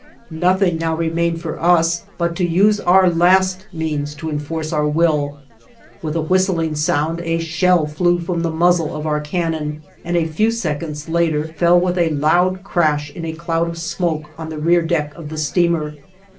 Nothing now remained for us but to use our last means to enforce our will. With a whistling sound, a shell flew from the muzzle of our cannon and a few seconds later fell with a loud crash in a cloud of smoke on the rear deck of the steamer.